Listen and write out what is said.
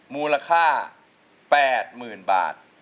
มูลค่า๘๐๐๐บาท